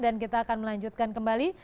dan kita akan melanjutkan kembali